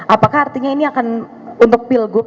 apakah artinya ini akan untuk pilgub